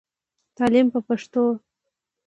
تعليم په پښتو.